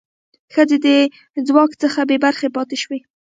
ښځې د ځواک څخه بې برخې پاتې شوې.